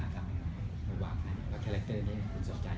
คาแรคเตอร์นี้คุณสอบใจ